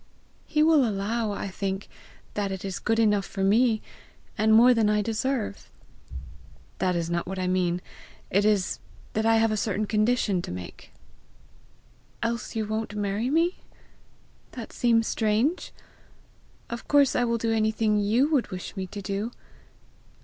"He will allow, I think, that it is good enough for me and more than I deserve." "That is not what I mean; it is that I have a certain condition to make." "Else you won't marry me? That seems strange! Of course I will do anything you would wish me to do!